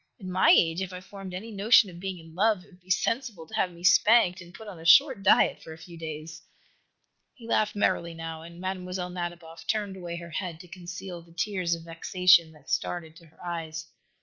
At my age, if I formed any notion of being in love, it would be sensible to have me spanked and put on a short diet for a few days." He laughed merrily, now, and Mlle. Nadiboff turned away her head to conceal the tears of vexation that started to her eyes.